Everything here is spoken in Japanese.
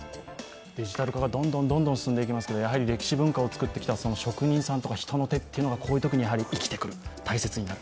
デジタル化がどんどん進んでいきますが歴史文化をつくってきた職人さんとか人の手が生きてくる大切になる。